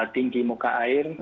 tinggi muka air